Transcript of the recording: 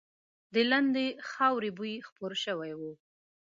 د لندې خاورې بوی خپور شوی و.